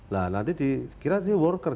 nah nanti dikira dia worker